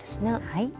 はい。